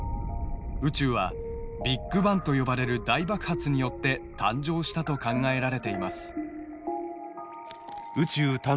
宇宙はビッグバンと呼ばれる大爆発によって誕生したと考えられています